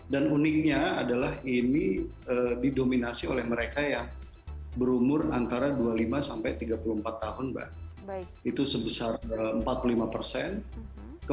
dan uniknya adalah ini didominasi oleh mereka yang berumur antara dua puluh lima sampai tiga puluh empat tahun mbak